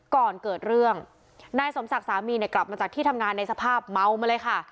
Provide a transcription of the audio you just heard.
ก่อนเกิดเรื่องนายสมศักดิ์สามีเนี่ยกลับมาจากที่ทำงานในสภาพเมามาเลยค่ะ